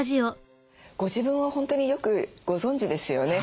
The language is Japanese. ご自分を本当によくご存じですよね。